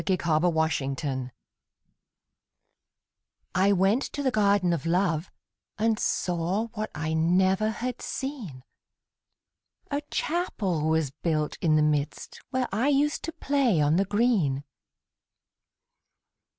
THE GARDEN OF LOVE I went to the Garden of Love, And saw what I never had seen; A Chapel was built in the midst, Where I used to play on the green.